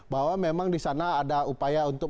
bahwa memang di sana ada upaya untuk